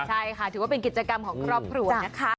ใช่ค่ะถือว่าเป็นกิจกรรมของครอบครัวนะคะ